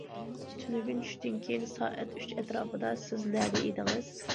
« تۈنۈگۈن چۈشتىن كېيىن سائەت ئۈچ ئەتراپىدا سىز نەدە ئىدىڭىز؟».